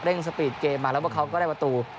เร่งสปีดเกมมาแล้วว่าเขาก็ได้ประตู